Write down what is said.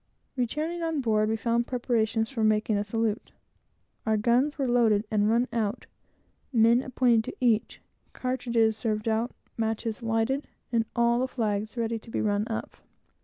Returning on board, we found preparations making for a salute. Our guns were loaded and run out, men appointed to each, cartridges served out, matches lighted, and all the flags ready to be run up.